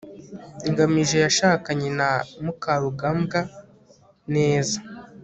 ngamije yashakanye na mukarugambwa neza